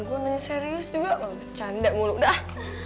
gue nanya serius juga nganggep canda mulu dah